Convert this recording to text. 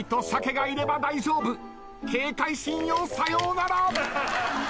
警戒心よさようなら。